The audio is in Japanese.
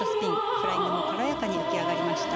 フライングも軽やかに浮き上がりました。